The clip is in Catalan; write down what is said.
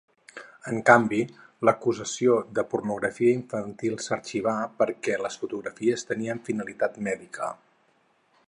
En canvi, l'acusació de pornografia infantil s'arxiva perquè les fotografies tenien finalitat mèdica.